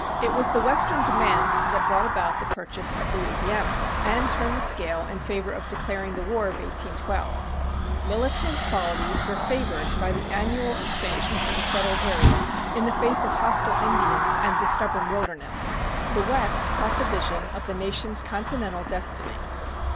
It was the Western demands that brought about the purchase of Louisiana, and turned the scale in favor of declaring the War of 1812. Militant qualities were favored by the annual expansion of the settled area in the face of hostile Indians and the stubborn wilderness. The West caught the vision of the nation's continental destiny.